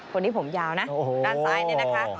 คนนี้ผมยาวนะด้านซ้ายเนี่ยนะคะ